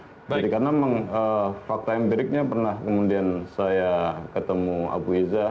jadi karena fakta empiriknya pernah kemudian saya ketemu abu izzah